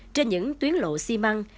trên những tuyến lộ xi măng